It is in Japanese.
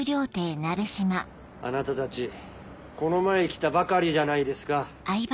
・あなたたちこの前来たばかりじゃないですか・